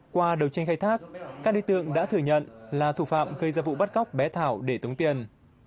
qua đầu tranh khai thác các đối tượng đã thừa nhận là thủ phạm gây ra vụ bắt cóc bé thảo để tống tiền